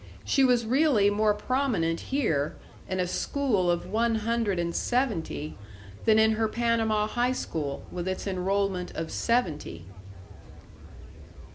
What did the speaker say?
She was really more prominent here, in a school of one hundred and seventy, than in her Panama high school with its enrolment of seventy.